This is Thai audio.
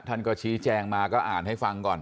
ท่านก็ชี้แจงมาก็อ่านให้ฟังก่อน